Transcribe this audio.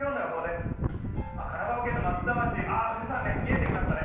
神奈川県の松田町、富士山、見えてきましたね。